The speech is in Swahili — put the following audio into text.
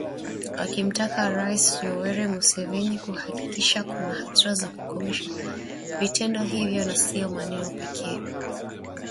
akimtaka Raisi Yoweri Museveni kuhakikisha kuna hatua za kukomesha vitendo hivyo na sio maneno pekee